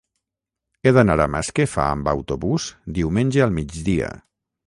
He d'anar a Masquefa amb autobús diumenge al migdia.